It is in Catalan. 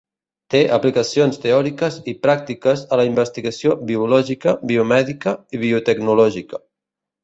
Té aplicacions teòriques i pràctiques a la investigació biològica, biomèdica i biotecnològica.